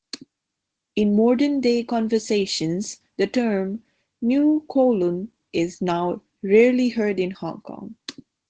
In modern-day conversations, the term "New Kowloon" is now rarely heard in Hong Kong.